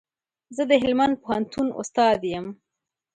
زه د هلمند پوهنتون استاد يم